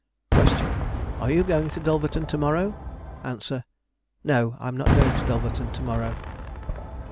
Question, 'Are you going to Dulverton to morrow?' Answer, 'No, I'm not going to Dulverton to morrow.'